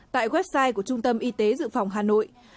tại website của trung tâm y tế dự phòng hà nội